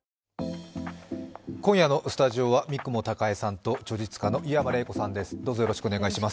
今夜のスタジオは三雲孝江さんと著述家の湯山玲子さんです。